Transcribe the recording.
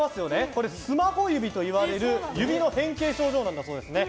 これ、スマホ指と呼ばれる指の変形症状なんだそうですね。